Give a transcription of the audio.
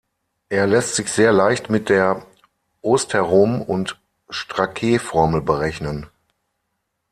Er lässt sich sehr leicht mit der Oosterom-und-Strackee-Formel berechnen.